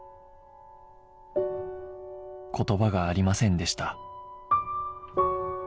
言葉がありませんでした